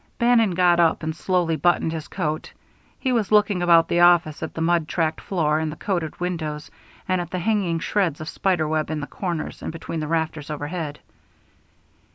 Bannon got up and slowly buttoned his coat. He was looking about the office, at the mud tracked floor and the coated windows, and at the hanging shreds of spider web in the corners and between the rafters overhead.